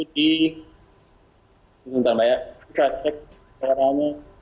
di nanti saya cek suaranya